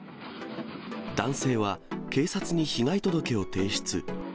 男性は、警察に被害届を提出。